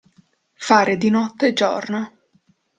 Fare di notte giorno.